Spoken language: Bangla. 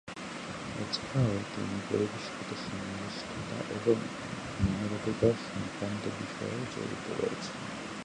এছাড়াও তিনি পরিবেশগত সংশ্লিষ্টতা এবং মানবাধিকার সংক্রান্ত বিষয়েও জড়িত রয়েছেন।